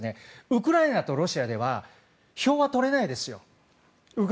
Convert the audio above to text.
ウクライナとロシアをやっていては票は取れないです。